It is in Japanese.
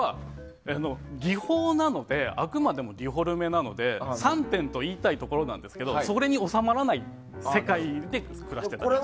技法なのであくまでもデフォルメなので３点といいたいところなんですがそれに収まらない世界で暮らしていますね。